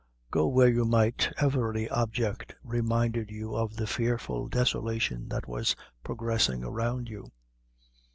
Go where you might, every object reminded you of the fearful desolation that was progressing around you.